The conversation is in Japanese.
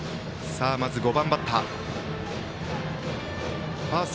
まず５番バッター。